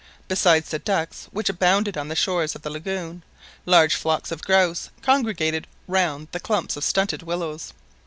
Besides the ducks which abounded on the shores of the lagoon, large flocks of grouse congregated round the clumps of stunted willows.